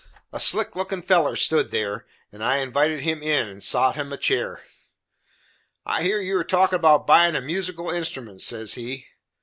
A slick lookin' feller stood there, and I invited him in and sot him a chair. "I hear you are talkin' about buyin' a musical instrument," says he.